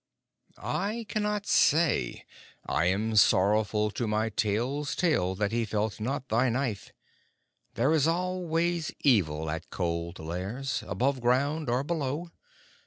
"I cannot say. I am sorrowful to my tail's tail that he felt not thy knife. There is always evil at Cold Lairs above ground or below.